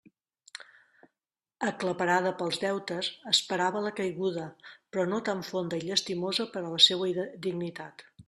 Aclaparada pels deutes, esperava la caiguda, però no tan fonda i llastimosa per a la seua dignitat.